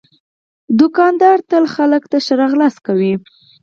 دوکاندار تل خلک ښه راغلاست کوي.